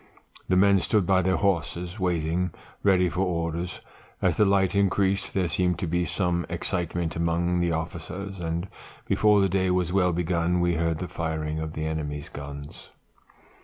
The men stood by their horses waiting, ready for orders. As the light increased there seemed to be some excitement among the officers; and before the day was well begun we heard the firing of the enemy's guns.